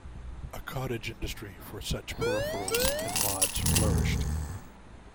A cottage industry for such peripherals and mods flourished.